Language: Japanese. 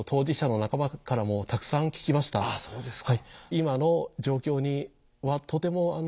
そうですか。